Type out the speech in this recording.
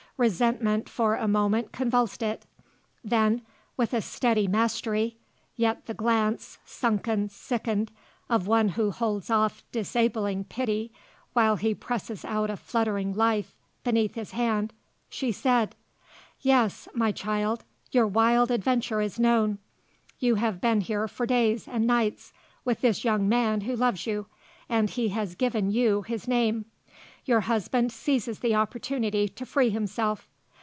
Resentment for a moment convulsed it. Then, with a steady mastery, yet the glance, sunken, sickened, of one who holds off disabling pity while he presses out a fluttering life beneath his hand, she said: "Yes, my child. Your wild adventure is known. You have been here for days and nights with this young man who loves you and he has given you his name. Your husband seizes the opportunity to free himself.